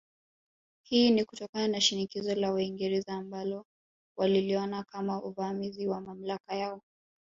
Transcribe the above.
Hii ni kutokana na shinikizo la Waingereza ambalo waliliona kama uvamizi wa mamlaka yao